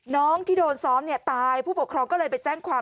น้องที่โดนซ้อมตายผู้ปกครองก็เลยไปแจ้งความ